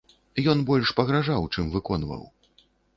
Ён больш пагражаў, чым выконваў.